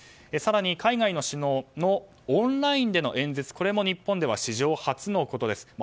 更に海外の首脳のオンラインでの演説これも日本では史上初のことです。